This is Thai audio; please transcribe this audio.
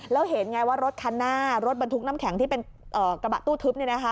แล้วเห็นไงว่ารถคันหน้ารถบรรทุกน้ำแข็งที่เป็นกระบะตู้ทึบ